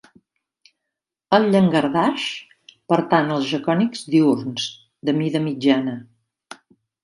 El llangardaix pertany als gecònids diürns de mida mitjana.